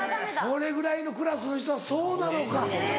これぐらいのクラスの人はそうなのか。